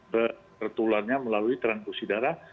tertularnya melalui transklusi darah